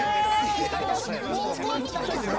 いやいやもうこわくないですよ。